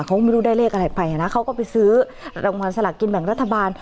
ไม่รู้ได้เลขอะไรไปนะเขาก็ไปซื้อรางวัลสลักกินแบ่งรัฐบาล